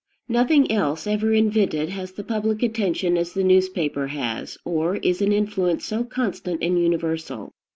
Nothing else ever invented has the public attention as the newspaper has, or is an influence so constant and universal.